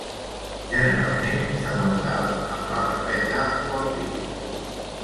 Generalment, s'aguantava amb la barbeta o al pit.